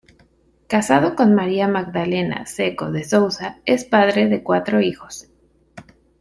Casado con María Magdalena Secco de Souza, es padre de cuatro hijos.